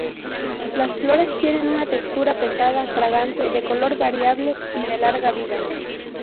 Las flores tienen una textura pesada, fragante, de color variable y de larga vida.